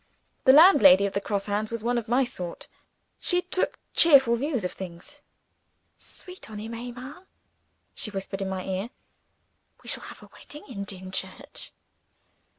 The landlady of the Cross Hands was one of my sort: she took cheerful views of things. "Sweet on him eh, ma'am?" she whispered in my ear; "we shall have a wedding in Dimchurch."